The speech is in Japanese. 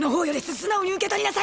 素直に受け取りなさい！